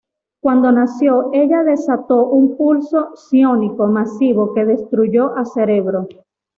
Cuando nació, ella desató un pulso psiónico masivo que destruyó a Cerebro.